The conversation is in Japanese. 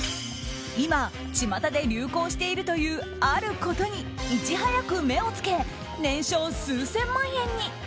今、巷で流行しているというあることにいち早く目をつけ年商数千万円に。